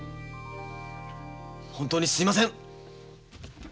本当にすいません。